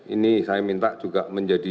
ini saya minta juga menjadi